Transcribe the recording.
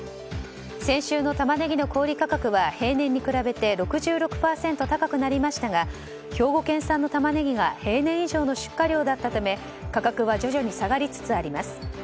先週のタマネギの小売価格は平年に比べて６６％高くなりましたが兵庫県産のタマネギが平年以上の出荷量だったため価格は徐々に下がりつつあります。